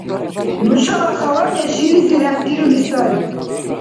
Нушала хала неш шилизар хӀеррирули сари